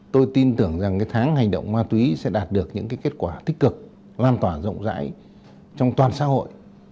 tôi tin tưởng rằng tháng hành động ma túy sẽ đạt được những kết quả tích cực lan tỏa rộng rãi trong toàn xã hội